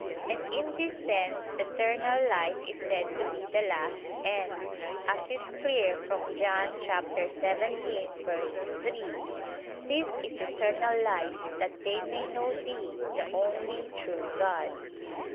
And in this sense eternal life is said to be the last end, as is clear from John 17:3: "This is eternal life, that they may know Thee, the only true God."